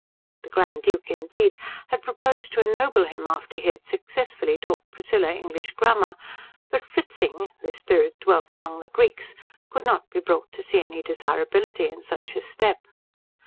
The Grand Duke indeed had proposed to ennoble him after he had successfully taught Priscilla English grammar, but Fritzing, whose spirit dwelt among the Greeks, could not be brought to see any desirability in such a step.